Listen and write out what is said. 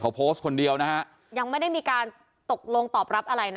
เขาโพสต์คนเดียวนะฮะยังไม่ได้มีการตกลงตอบรับอะไรนะ